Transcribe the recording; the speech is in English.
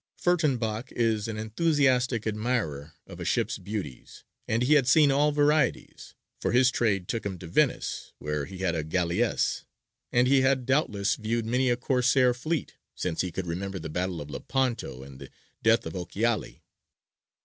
Furttenbach is an enthusiastic admirer of a ship's beauties, and he had seen all varieties; for his trade took him to Venice, where he had a galleasse, and he had doubtless viewed many a Corsair fleet, since he could remember the battle of Lepanto and the death of Ochiali.